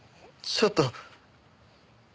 ちょっと。